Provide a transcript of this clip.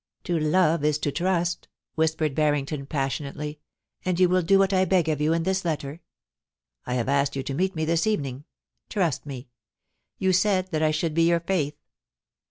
To love is to trust,' whispered Barrington, passionately ;' and you will do what I beg of you in this letter ? I have asked you to meet me this evening — trust me. You said that I should be your faith.